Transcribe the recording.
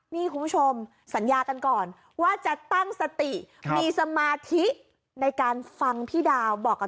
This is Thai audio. นี่คุณผู้ชมสัญญากันก่อนว่าจะตั้งสติมีสมาธิในการฟังพี่ดาวบอกกับ